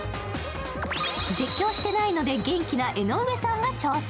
絶叫してないので元気な江上さんが挑戦。